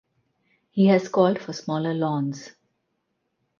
He has called for smaller lawns.